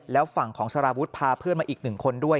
แล้วฝั่งของสารวุฒิพาเพื่อนมาอีกหนึ่งคนด้วย